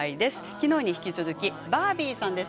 きのうに引き続きバービーさんです。